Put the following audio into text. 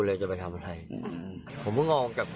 เราไม่เข็ดเหรอเข็ดครับ